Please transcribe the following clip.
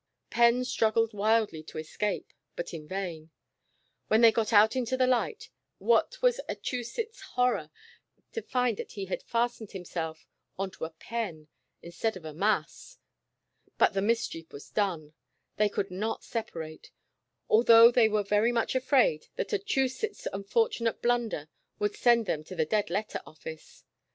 Penn struggled wildly to escape, but in vain. When they got out into the light, what was Achusetts's horror to find that he had fastened himself on to a Penn instead of a Mass, But the mischief was done ; they could not sepa rate, although they were very much afraid that Achusetts's unfortunate blunder would send them to the dead letter office.